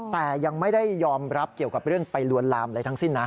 แต่ยังไม่ได้ยอมรับเกี่ยวกับเรื่องไปลวนลามอะไรทั้งสิ้นนะ